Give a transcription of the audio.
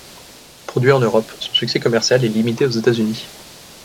Produit en Europe, son succès commercial est limité aux États-Unis.